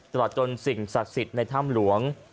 ตลอดจนสิ่งศักดิ์สิทธิ์ในถ้ำหลวง